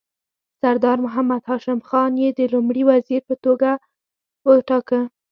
سردار محمد هاشم خان یې د لومړي وزیر په توګه وټاکه.